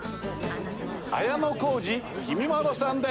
綾小路きみまろさんです。